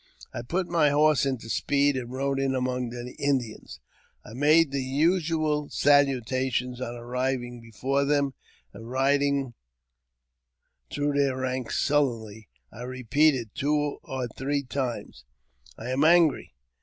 I put my horse into speed, and rode in among the Indians I made the usual salutation on arriving before them, and, riding through their ranks sullenly, I repeated two or three times, " I am angry!